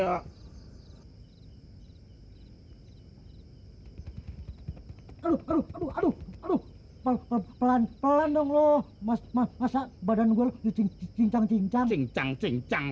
aduh aduh aduh aduh aduh pelan pelan dong loh masa badan gua cincang cincang cincang cincang